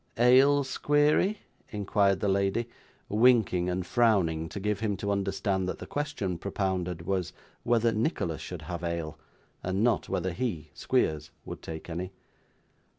'Ale, Squeery?' inquired the lady, winking and frowning to give him to understand that the question propounded, was, whether Nicholas should have ale, and not whether he (Squeers) would take any.